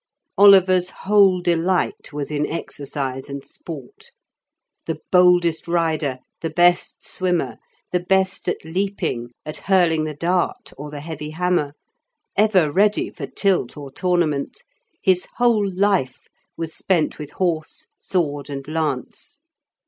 Oliver's whole delight was in exercise and sport. The boldest rider, the best swimmer, the best at leaping, at hurling the dart or the heavy hammer, ever ready for tilt or tournament, his whole life was spent with horse, sword, and lance.